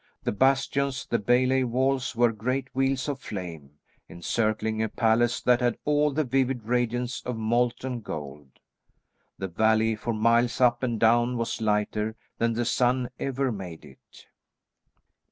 The bastions, the bailey walls, were great wheels of flame, encircling a palace that had all the vivid radiance of molten gold. The valley for miles up and down was lighter than the sun ever made it.